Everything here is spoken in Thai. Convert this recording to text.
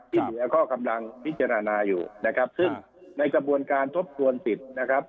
ที่เหลือก็กำลังพิจารณาอยู่นะครับซึ่งในกระบวนการทบทวนสิทธิ์นะครับ